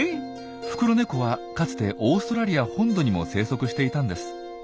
フクロネコはかつてオーストラリア本土にも生息していたんです。